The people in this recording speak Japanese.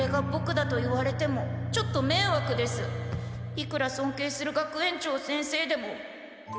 いくらそんけいする学園長先生でも。